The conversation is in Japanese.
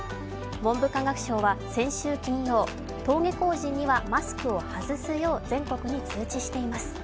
文部科学省は先週金曜、登下校時にはマスクを外すよう、全国に通知しています。